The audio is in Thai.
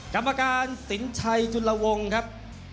กรรมการสินชัยจุลวงครับ